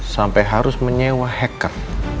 sampai harus menyewa hacker